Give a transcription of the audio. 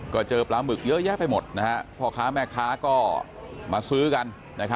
ก็เจอปลาหมึกเยอะแยะไปหมดพ่อค้าแม่ค้าก็มาซื้อกัน